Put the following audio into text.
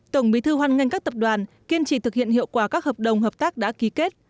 tổng bí thư hoan nghênh các tập đoàn kiên trì thực hiện hiệu quả các hợp đồng hợp tác đã ký kết